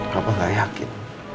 papa gak yakin